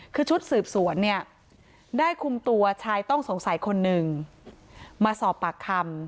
คือชุดสืบสวนเนี่ยได้คุมตัวชายต้องสงสัยคนหนึ่งมาสอบปากคำ